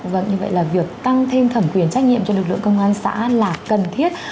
vâng như vậy là việc tăng thêm thẩm quyền trách nhiệm cho lực lượng công an xã là cần thiết